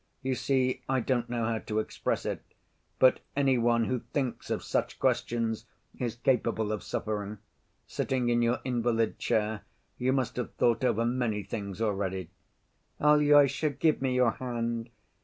You see, I don't know how to express it, but any one who thinks of such questions is capable of suffering. Sitting in your invalid chair you must have thought over many things already." "Alyosha, give me your hand.